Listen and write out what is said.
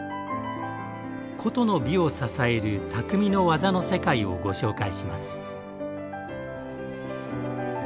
古都の美を支える「匠の技の世界」をご紹介します。